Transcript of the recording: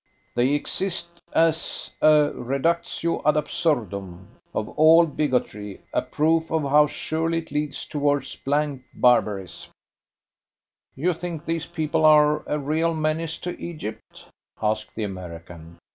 They exist as a reductio ad absurdum of all bigotry a proof of how surely it leads towards blank barbarism." "You think these people are a real menace to Egypt?" asked the American.